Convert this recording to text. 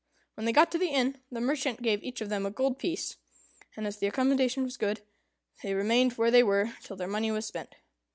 When they got to the inn, the merchant gave each of them a gold piece, and, as the accommodation was good, they remained where they were till their money was spent.